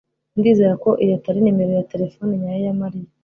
Ndizera ko iyo atari nimero ya terefone nyayo ya Mariya